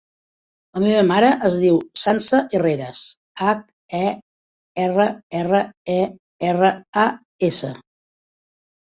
La meva mare es diu Sança Herreras: hac, e, erra, erra, e, erra, a, essa.